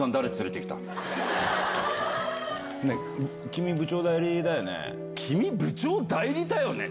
君部長代理だよね